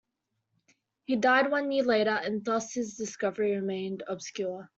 He died one year later and thus his discovery remained obscure.